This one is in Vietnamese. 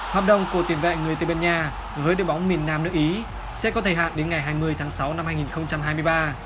hợp đồng của tiền vệ người tây ban nha với đội bóng miền nam nước ý sẽ có thời hạn đến ngày hai mươi tháng sáu năm hai nghìn hai mươi ba